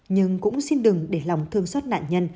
nhưng cũng xin đừng để lòng thương xót nạn nhân